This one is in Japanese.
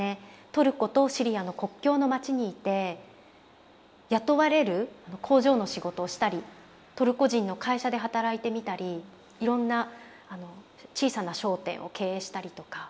トルコとシリアの国境の町にいて雇われる工場の仕事をしたりトルコ人の会社で働いてみたりいろんな小さな商店を経営したりとか。